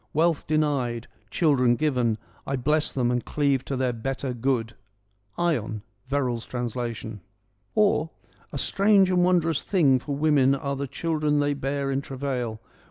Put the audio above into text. Wealth denied, Children given, I bless them and cleave to the better good.' — (Ion. Verr all's translation.) or — A strange and wondrous thing for women are the children they bear in travail.